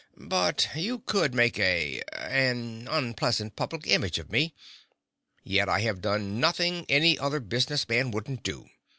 But you could make a—an unpleasing public image of me. Yet I have done nothing any other business man wouldn't do!